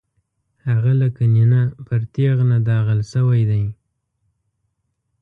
هغه لکه نېنه پر تېغنه داغل شوی دی.